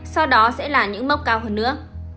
sau đó sẽ là những mốc cao hơn nữa